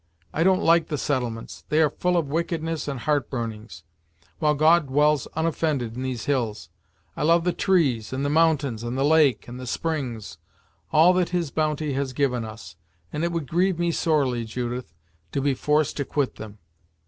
I don't like the settlements they are full of wickedness and heart burnings, while God dwells unoffended in these hills! I love the trees, and the mountains, and the lake, and the springs; all that his bounty has given us, and it would grieve me sorely, Judith, to be forced to quit them.